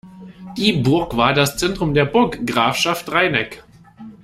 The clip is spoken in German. Die Burg war das Zentrum der Burggrafschaft Rheineck.